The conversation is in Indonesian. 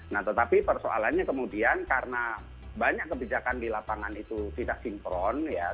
nah tetapi persoalannya kemudian karena banyak kebijakan di lapangan itu tidak sinkron ya